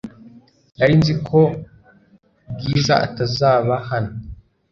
Nari nzi ko Bwiza atazaba hano .